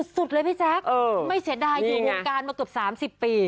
สุดเลยพี่แจ๊คไม่เสียดายอยู่วงการมาเกือบ๓๐ปี